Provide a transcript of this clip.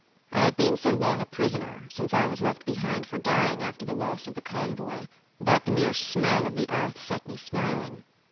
I had been so long a prisoner, since I was left behind for dying after the loss of the convoy, that the mere smell of the earth set me smiling.